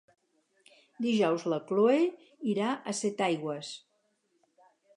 Dijous na Cloè irà a Setaigües.